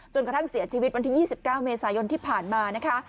กระทั่งเสียชีวิตวันที่๒๙เมษายนที่ผ่านมานะคะ